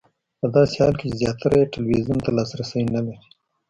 په داسې حال کې چې زیاتره یې ټلویزیون ته لاسرسی نه لري.